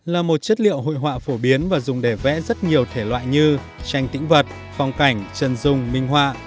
là một chất liệu hội họa phổ biến và dùng để vẽ rất nhiều thể loại như tranh tĩnh vật phong cảnh chân dung minh họa